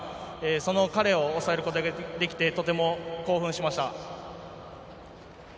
その彼を抑えることができてとても興奮しました。